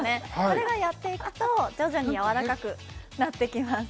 これがやっていくと徐々にやわらかくなってきます